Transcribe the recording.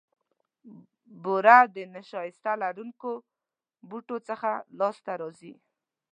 بوره د نیشاسته لرونکو بوټو څخه لاسته راځي.